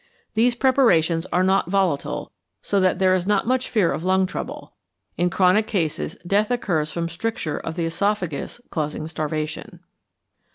These preparations are not volatile, so that there is not much fear of lung trouble. In chronic cases death occurs from stricture of the oesophagus causing starvation.